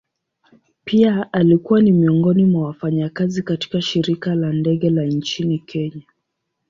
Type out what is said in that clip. Pia alikuwa ni miongoni mwa wafanyakazi katika shirika la ndege la nchini kenya.